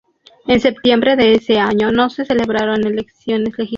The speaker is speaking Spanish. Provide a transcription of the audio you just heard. En septiembre de ese año se celebraron elecciones legislativas.